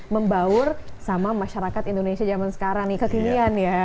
membaur sama masyarakat indonesia zaman sekarang nih kekinian ya